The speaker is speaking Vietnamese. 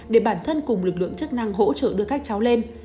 để bản thân cùng lực lượng chức năng hỗ trợ đưa các cháu lên